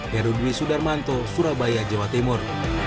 herudwi sudarmanto surabaya jawa timur